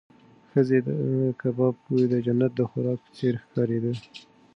ښځې ته د کباب بوی د جنت د خوراک په څېر ښکارېده.